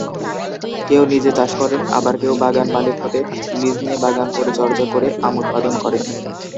কেউ নিজে চাষ করেন আবার কেউ বাগান মালিক হতে লিজ নিয়ে বাগান পরিচর্যা করে আম উৎপাদন করেন।